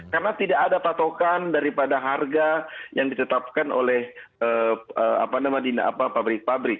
karena tidak ada patokan daripada harga yang ditetapkan oleh apa nama dina apa pabrik pabrik